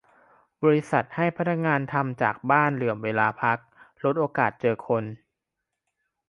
- บริษัทให้พนักงานทำจากบ้าน เหลื่อมเวลาพัก ลดโอกาสเจอคน